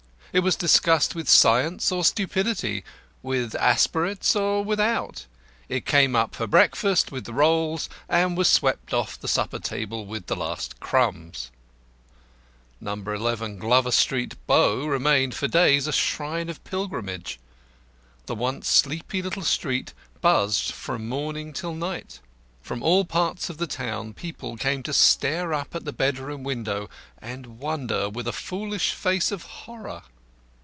It was discussed with science or stupidity, with aspirates or without. It came up for breakfast with the rolls, and was swept off the supper table with the last crumbs. No. 11 Glover Street, Bow, remained for days a shrine of pilgrimage. The once sleepy little street buzzed from morning till night. From all parts of the town people came to stare up at the bedroom window and wonder with a foolish face of horror.